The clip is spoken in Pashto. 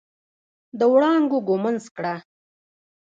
د وړانګو ږمنځ کړه